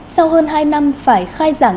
sau hơn hai năm phải khai giảng